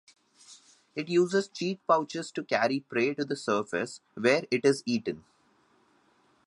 It uses cheek-pouches to carry prey to the surface, where it is eaten.